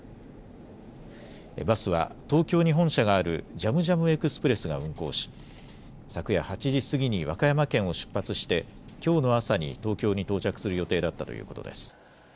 バスは東京に本社があるＪＡＭＪＡＭＥＸＰＲＥＳＳが運行し昨夜８時過ぎに和歌山県を出発して、きょうの朝に東京に到着する予定だったということです。